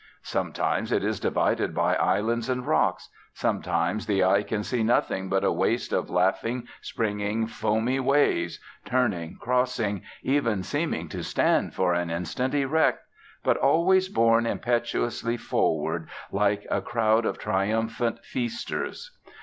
Sometimes it is divided by islands and rocks, sometimes the eye can see nothing but a waste of laughing, springing, foamy waves, turning, crossing, even seeming to stand for an instant erect, but always borne impetuously forward like a crowd of triumphant feasters.